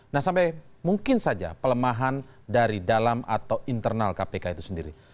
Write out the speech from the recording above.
nah sampai mungkin saja pelemahan dari dalam atau internal kpk itu sendiri